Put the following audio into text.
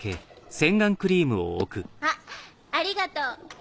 あっありがとう。